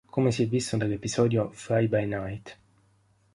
Come si è visto nell'episodio"Fly By Knight".